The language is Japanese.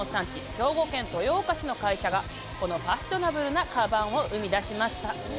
兵庫県豊岡市の会社がこのファッショナブルなカバンを生み出しました。